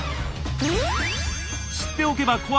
知っておけば怖くない。